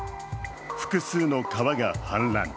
複数の川が氾濫。